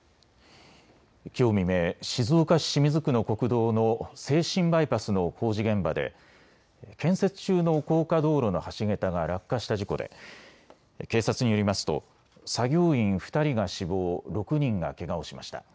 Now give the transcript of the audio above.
きょう未明、静岡市清水区の国道の静清バイパスの工事現場で建設中の高架道路の橋桁が落下した事故で警察によりますと作業員２人が死亡、６人がけがをしました。